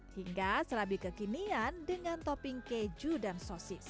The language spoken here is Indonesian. hingga serabi kekinian dengan topping keju dan sosis